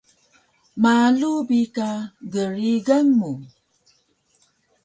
Malu bi ka grigan mu